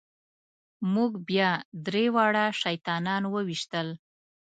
موږ بیا درې واړه شیطانان وويشتل.